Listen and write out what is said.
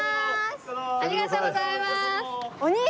ありがとうございます。